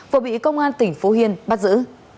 vừa bị công an tỉnh phú yên bắt giữ